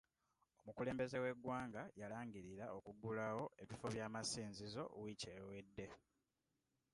Omukulembeze w'eggwanga yalangirira okugulawo ebifo by'amasinzizo wiiki ewedde.